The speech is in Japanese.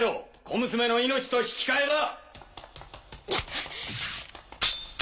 小娘の命と引きかえだ！